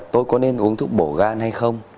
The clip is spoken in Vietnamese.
tôi có nên uống thuốc bổ gan hay không